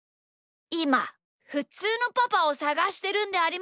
いまふつうのパパをさがしてるんでありますが。